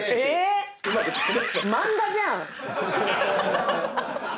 漫画じゃん！